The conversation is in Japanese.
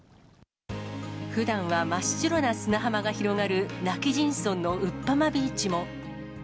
ふだんは真っ白な砂浜が広がる今帰仁村のウッパマビーチも。